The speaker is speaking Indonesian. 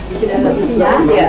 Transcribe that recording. isi dalam isinya ya